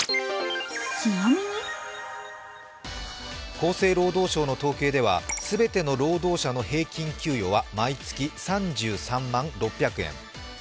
厚生労働省の統計では全ての労働者の平均給与は毎月３３万６００円。